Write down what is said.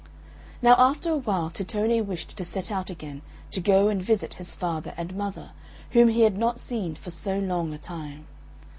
Now after a while Tittone wished to set out again to go and visit his father and mother, whom he had not seen for so long a time.